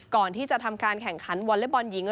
ก่อนที่จะทำการแข่งขันวอเล็กบอลหญิง